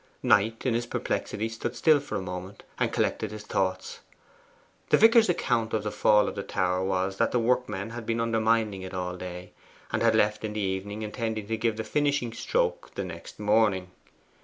Knight in his perplexity stood still for a moment, and collected his thoughts. The vicar's account of the fall of the tower was that the workmen had been undermining it all the day, and had left in the evening intending to give the finishing stroke the next morning.